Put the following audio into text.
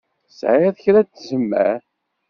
Tesɛiḍ kra n tzemmar?